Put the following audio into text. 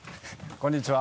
こんにちは。